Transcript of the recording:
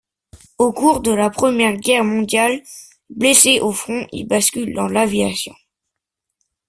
Au cours de la Première Guerre mondiale, blessé au front, il bascule dans l'aviation.